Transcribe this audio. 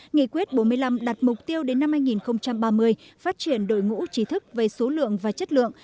nghị quyết bốn mươi năm đặt mục tiêu đến năm hai nghìn ba mươi phát triển đội ngũ trí thức về số lượng và chất lượng